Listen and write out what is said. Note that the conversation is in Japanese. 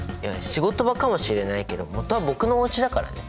仕事場かもしれないけどもとは僕のおうちだからね。